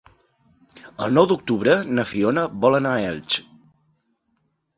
El nou d'octubre na Fiona vol anar a Elx.